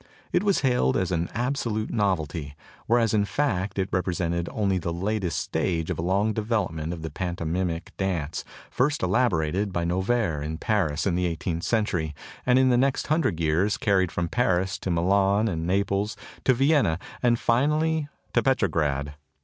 It was hailed as an abso lute novelty, whereas in fact it represented only the latest stage of a long development of the pantomimic dance, first elaborated by Noverre in Paris in the eighteenth century and in the next hundred years carried from Paris to Milan and Naples, to Vienna and finally to Petrograd.